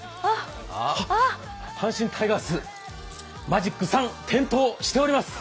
阪神タイガース、マジック３点灯しております！